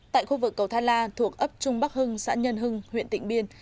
tại khu vực cầu than la thuộc ấp trung bắc hưng xã nhân hưng huyện tịnh biên